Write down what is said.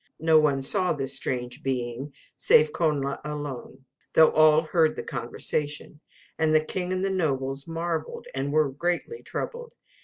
No one saw this strange being save Connla alone, though all heard the conversation: and the king and the nobles marvelled, and were greatly troubled.